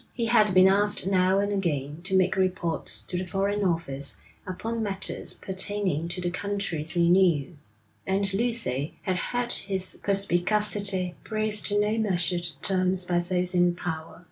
He had been asked now and again to make reports to the Foreign Office upon matters pertaining to the countries he knew; and Lucy had heard his perspicacity praised in no measured terms by those in power.